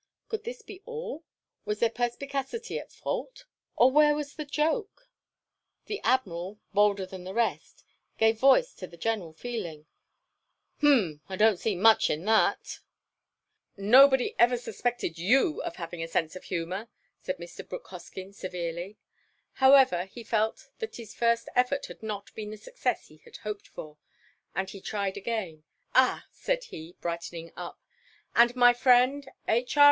Could this be all? Was their perspicacity at fault? or where was the joke? The Admiral, bolder than the rest, gave voice to the general feeling. "H'm. I don't see much in that." [Illustration: THEN HE RESUMED. "BROOKE," SAYS HE,—"BROOKE, MY BOY,"—JUST LIKE THAT] "Nobody ever suspected you of having a sense of humour," said Mr. Brooke Hoskyn, severely. However, he felt that his first effort had not been the success he had hoped for, and he tried again. "Ah!"—said he, brightening up, "and my friend, H.R.